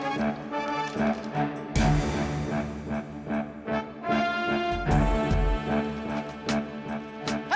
hei itu makanan gua